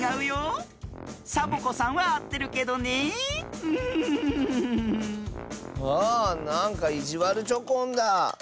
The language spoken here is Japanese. あなんかいじわるチョコンだ。